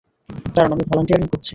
কারণ, আমি ভলান্টিয়ারিং করছি।